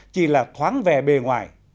chỉ là khoáng vè bề ngoài